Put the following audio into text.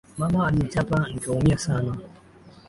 Mama alinichapa nikaumia sana